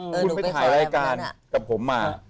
คุณไปถ่ายรายการกับผมมา